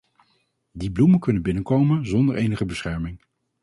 Die bloemen kunnen binnenkomen zonder enige bescherming.